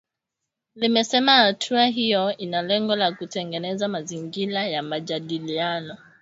Limesema hatua hiyo ina lengo la kutengeneza mazingira ya majadiliano .